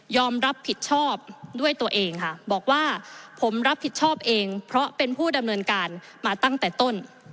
รับผิดชอบด้วยตัวเองค่ะบอกว่าผมรับผิดชอบเองเพราะเป็นผู้ดำเนินการมาตั้งแต่ต้น